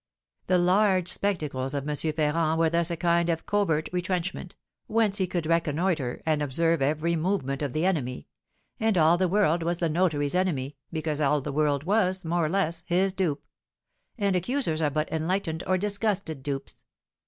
The large spectacles of M. Ferrand were thus a kind of covert retrenchment, whence he could reconnoitre and observe every movement of the enemy; and all the world was the notary's enemy, because all the world was, more or less, his dupe; and accusers are but enlightened or disgusted dupes.